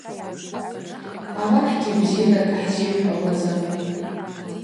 Алахӏгьи бзиракӏ хӏзихӏвауазапӏ.